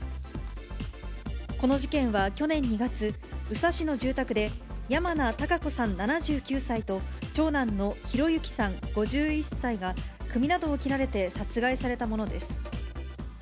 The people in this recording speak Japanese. この事件は去年２月、宇佐市の住宅で、山名高子さん７９歳と、長男の博之さん５１歳が、首などを切られて殺害されたものです。